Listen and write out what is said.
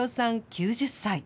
９０歳。